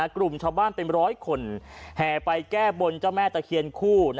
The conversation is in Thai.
กลุ่มชาวบ้านเป็นร้อยคนแห่ไปแก้บนเจ้าแม่ตะเคียนคู่